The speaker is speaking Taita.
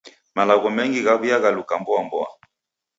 Malagho mengi ghaw'iaghalukagha mboamboa.